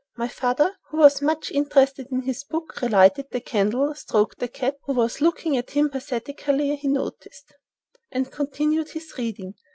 My father, who was much interested in his book, relighted the candle stroked the cat, who was looking at him pathetically he noticed, and continued his reading.